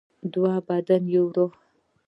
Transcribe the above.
دوه بدن یو روح.